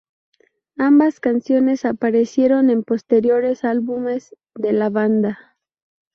Ambas canciones aparecieron en posteriores álbumes de la banda.